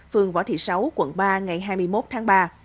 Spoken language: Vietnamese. phường võ thị sáu quận ba ngày hai mươi một tháng ba